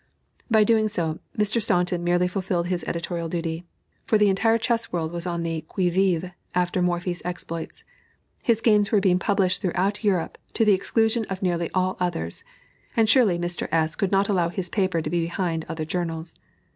By so doing, Mr. Staunton merely fulfilled his editorial duty; for the entire chess world was on the qui vive after Morphy's exploits. His games were being published throughout Europe, to the exclusion of nearly all others, and surely Mr. S. could not allow his paper to be behind other journals.